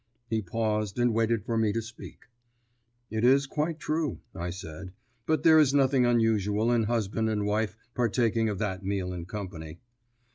He paused, and waited for me to speak. "It is quite true," I said; "but there is nothing unusual in husband and wife partaking of that meal in company."